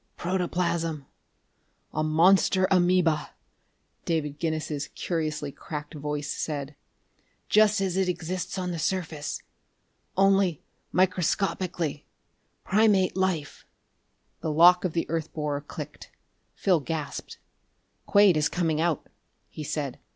"Protoplasm a monster amoeba," David Guinness's curiously cracked voice said. "Just as it exists on the surface, only microscopically. Primate life...." The lock of the earth borer clicked. Phil gasped. "Quade is coming out!" he said.